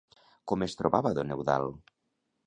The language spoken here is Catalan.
Com es trobava Don Eduald?